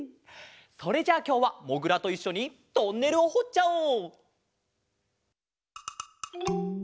それじゃあきょうはもぐらといっしょにトンネルをほっちゃおう！